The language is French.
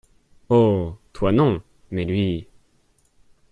Oh ! toi, non, mais lui !…